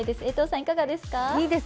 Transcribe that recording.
江藤さん、いかがですか？